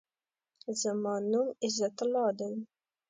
زما نوم عزت الله دی.